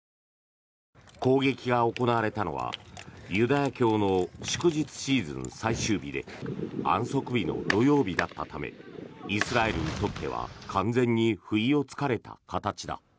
攻撃が行われたのはユダヤ教の祝日シーズン最終日で安息日の土曜日だったためイスラエルにとっては完全に不意を突かれた形だ。